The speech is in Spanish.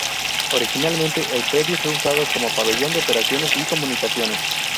Originalmente, el predio fue usado como Pabellón de Operaciones y Comunicaciones.